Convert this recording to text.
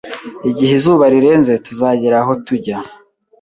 Igihe izuba rirenze, tuzagera aho tujya